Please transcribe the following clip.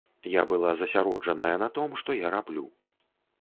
Я была засяроджаная на тым, што я раблю.